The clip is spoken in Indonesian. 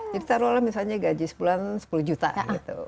jadi misalnya taruh lah gaji sebulan sepuluh juta gitu